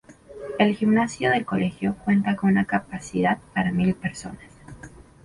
El gimnasio del Colegio cuenta con una capacidad para mil personas.